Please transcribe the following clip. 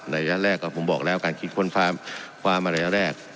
ในระยะแรกผมบอกแล้วการคิดความความในระยะแรก